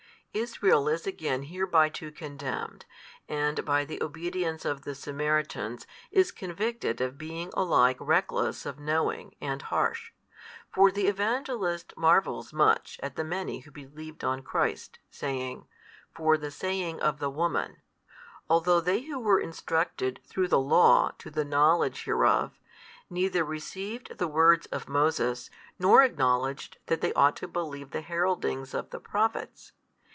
Israel is again hereby too condemned, and by the obedience 11 of the Samaritans, is convicted of being alike reckless of knowing and harsh. For the Evangelist marvels much at the many who believed on Christ, saying, For the saying of the woman; although they who were instructed through the law to the knowledge hereof, neither received the words of Moses, nor acknowledged that they ought to believe the heraldings of the Prophets.